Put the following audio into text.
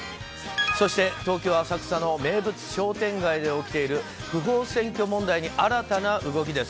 そして東京・浅草の名物商店街で起きている不法占拠問題に新たな動きです。